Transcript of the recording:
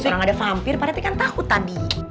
sekarang ada vampir pak rete kan tahu tadi